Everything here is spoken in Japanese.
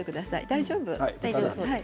大丈夫。